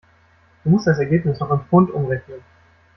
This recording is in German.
Du musst das Ergebnis noch in Pfund umrechnen.